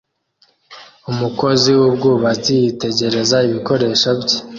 Umukozi wubwubatsi yitegereza ibikoresho bye